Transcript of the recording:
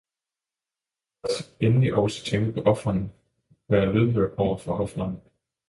Lad os endelig også tænke på ofrene, være lydhøre over for ofrene.